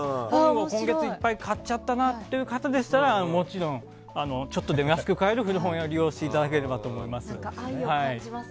今月、本をいっぱい買っちゃったなという方はもちろん、ちょっと安く買える古本屋を利用していただければと思います。